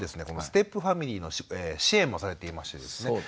このステップファミリーの支援もされていましてですね